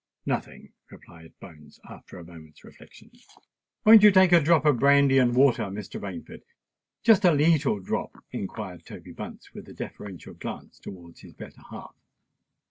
"Nothing," returned Bones, after a moment's reflection. "Won't you take a drop of brandy and water, Mr. Rainford—just a leetle drop?" inquired Toby Bunce, with a deferential glance towards his better half..